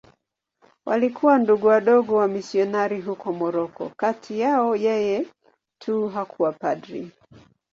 Walikuwa Ndugu Wadogo wamisionari huko Moroko.Kati yao yeye tu hakuwa padri.